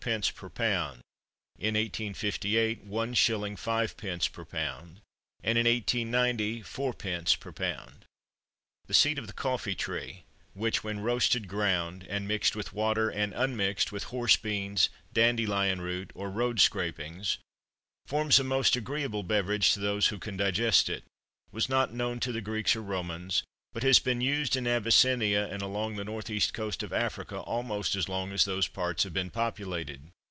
per lb.; in 1858 1s. 5d. per lb.; and in 1890 4d. per lb. The seed of The Coffee Tree, which, when roasted, ground, and mixed with water, and unmixed with horse beans, dandelion root, or road scrapings, forms a most agreeable beverage to those who can digest it, was not known to the Greeks or Romans, but has been used in Abyssinia and along the north east coast of Africa almost as long as those parts have been populated.